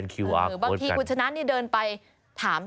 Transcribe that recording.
หรือบางทีคุณชนะเดินไปถาม